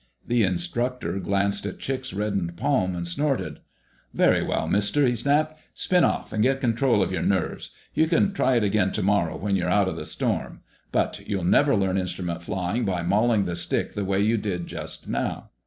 The instructor glanced at Chick's reddened palm and snorted. "Very well, Mister," he snapped. "Spin off and get control of your nerves. You can try it again tomorrow when you're out of the storm. But you'll never learn instrument flying by mauling the stick the way you did just now."